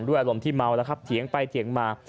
อารมณ์ที่เมาแล้วครับเถียงไปเถียงมา